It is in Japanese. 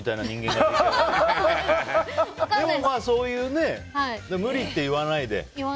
でもね、そうやって無理って言わないで。